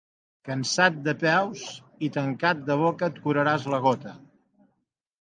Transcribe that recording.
Cansa't de peus i tanca't de boca i et curaràs la gota.